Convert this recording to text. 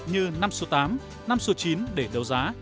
như năm số tám năm số chín để đấu giá